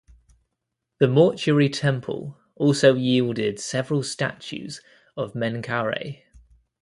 The mortuary temple also yielded several statues of Menkaure.